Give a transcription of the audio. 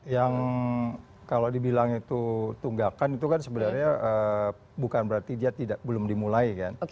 yang kalau dibilang itu tunggakan itu kan sebenarnya bukan berarti dia belum dimulai kan